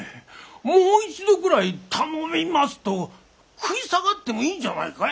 もう一度ぐらい「頼みます！」と食い下がってもいいんじゃないかい？